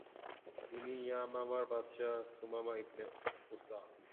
ইনি ইয়ামামার বাদশাহ সুমামা ইবনে উসাল।